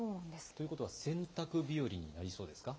ということは、洗濯日和になりそうですか？